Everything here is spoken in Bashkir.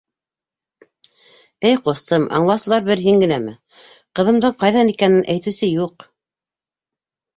-Эй, ҡустым, аңлаусылар бер һин генәме, ҡыҙымдың ҡайҙа икәнен әйтеүсе юҡ.